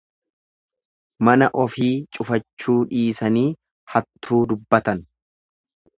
Mana ofii cufachuu dhiisani hattuu dubbatan.